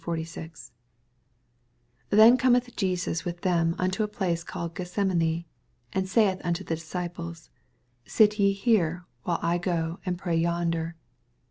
86—46. 86 Then cometh Jesus with them unto a plaoe called Gethsemane. and ■aith unto the disciples, Sit ye nere, while I go and pray yonder.